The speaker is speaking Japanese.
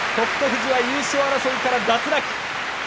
富士は優勝争いから脱落。